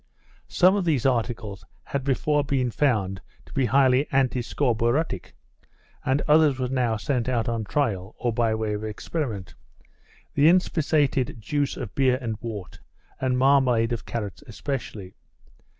Some of these articles had before been found to be highly antiscorbutic; and others were now sent out on trial, or by way of experiment; the inspissated juice of beer and wort, and marmalade of carrots especially.